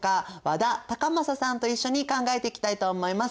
和田隆昌さんと一緒に考えていきたいと思います。